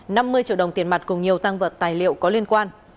năm mươi triệu đồng tiền mặt cùng nhiều tăng vật tài liệu có liên quan